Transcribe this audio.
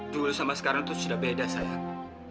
dulu sama sekarang itu sudah beda sayang